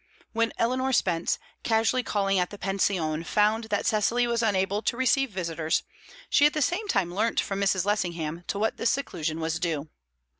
When Eleanor Spence, casually calling at the pension, found that Cecily was unable to receive visitors, she at the same time learnt from Mrs. Lessingham to what this seclusion was due.